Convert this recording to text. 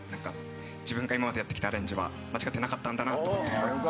自分が今までやってきたアレンジは間違ってなかったんだなと。